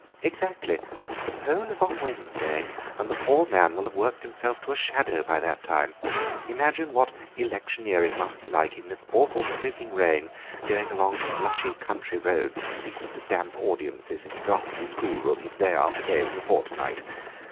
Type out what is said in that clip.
"Exactly; the poll is on Wednesday, and the poor man will have worked himself to a shadow by that time. Imagine what electioneering must be like in this awful soaking rain, going along slushy country roads and speaking to damp audiences in draughty schoolrooms, day after day for a fortnight.